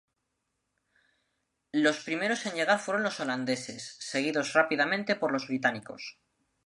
Los primeros en llegar fueron los holandeses, seguidos rápidamente por los británicos.